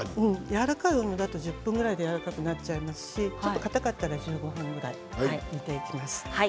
１０分ぐらいでやわらかくなっちゃいますしかたかったら１５分ぐらい煮ていきます。